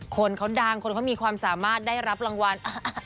คนเขาดังคนเขามีความสามารถได้รับรางวัล